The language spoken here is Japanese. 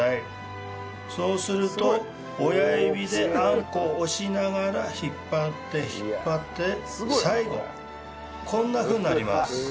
そうすると親指であんこを押しながら引っ張って引っ張って最後こんなふうになります。